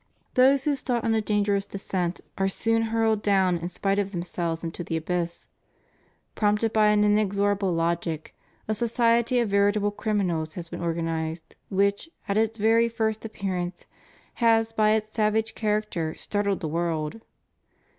Those who start on a dangerous descent are soon hurled down in spite of themselves into the abyss. Prompted by an inexorable logic, a society of veritable criminals has been organized, which, at its very first appearance, has, by its savage character, startled the world.